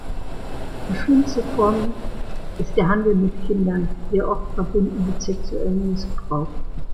Die schlimmste Form ist der Handel mit Kindern, sehr oft verbunden mit sexuellem Missbrauch.